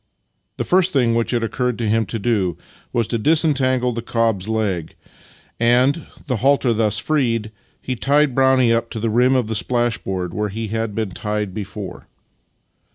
The first thing which it occurred to him to do was to disentangle the cob's leg, and, the halter thus freed, he tied Brownie up to the rim of the splashboard where he had been tied before.